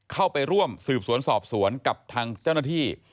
เข้าไปร่วมสืบสวนสอบสวนกับทางเจ้าหน้าที่